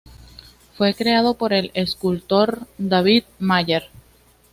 Fue creado por el escultor David Mayer.